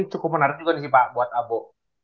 cukup menarik juga nih pak buat abu